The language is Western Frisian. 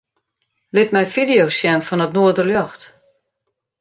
Lit my fideo's sjen fan it noarderljocht.